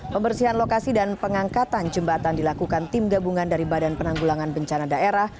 pembersihan lokasi dan pengangkatan jembatan dilakukan tim gabungan dari badan penanggulangan bencana daerah